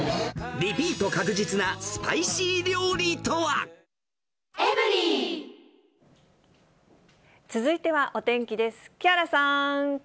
リピート確実なスパイシー料続いてはお天気です。